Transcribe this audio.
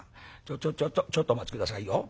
「ちょちょちょっとお待ち下さいよ。